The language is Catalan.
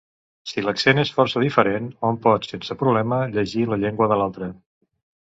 Si l'accent és força diferent, hom pot sense problema llegir la llengua de l'altre.